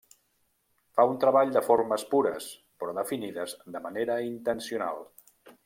Fa un treball de formes pures però definides de manera intencional.